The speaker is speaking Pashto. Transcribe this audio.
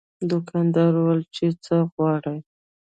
دوکاندار وویل چې څه غواړې.